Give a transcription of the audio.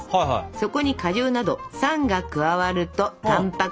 そこに果汁など酸が加わるとたんぱく質が固まるのよ。